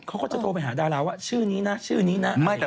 ก็พีชัดโทรไปหาดาราว่าชื่อนี้นะ